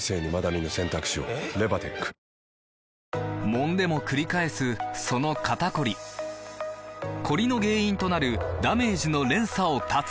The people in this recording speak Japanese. もんでもくり返すその肩こりコリの原因となるダメージの連鎖を断つ！